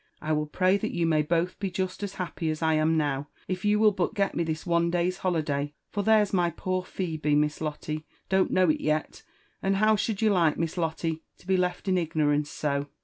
I will pray that you may both be jest as^ happy as I am now, if you will but get me this one day's holiday. For there's my poor Phebe, Miss Lotte, don't know it yet ; and how should you like, Miss Lotte, to be left in ignorance so